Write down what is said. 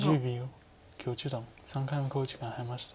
許十段３回目の考慮時間に入りました。